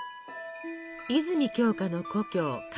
泉鏡花の故郷金沢。